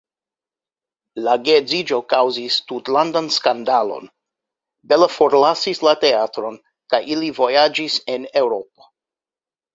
La geedziĝo kaŭzis tutlandan skandalon, Bella forlasis la teatron kaj ili vojaĝis en Eŭropo.